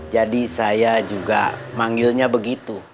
jadi saya juga manggilnya begitu